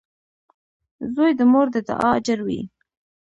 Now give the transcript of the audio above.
• زوی د مور د دعا اجر وي.